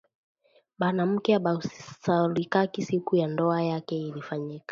Banamuke abasaulikaki siku ya ndowa yake ilifanyika